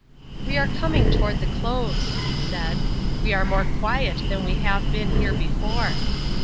"We are coming toward the close," he said. "We are more quiet than we have been here before.